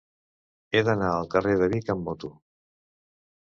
He d'anar al carrer de Vic amb moto.